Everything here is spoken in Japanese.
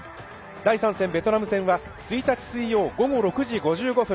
第３戦ベトナム戦は１日、水曜午後６時５５分。